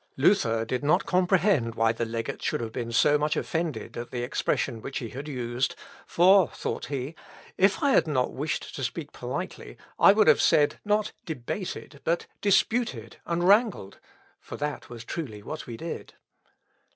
Luther did not comprehend why the legate should have been so much offended at the expression which he had used; for, thought he, if I had not wished to speak politely, I would have said, not debated, but disputed, and wrangled, for that was truly what we did.